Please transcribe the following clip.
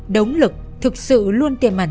đống lực thực sự luôn tiềm mẩn